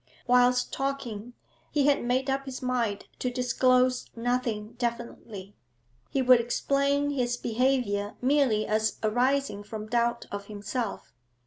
Whilst talking, he had made up his mind to disclose nothing definitely; he would explain his behaviour merely as arising from doubt of himself.